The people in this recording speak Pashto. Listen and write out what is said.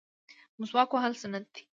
مسواک وهل سنت دي